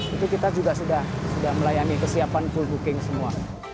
itu kita juga sudah melayani kesiapan full booking semua